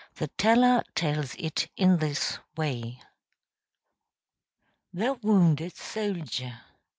The teller tells it in this way: THE WOUNDED SOLDIER.